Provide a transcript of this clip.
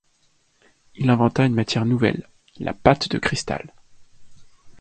Il inventa une matière nouvelle, la pâte de cristal.